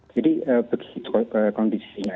jadi begitu kondisinya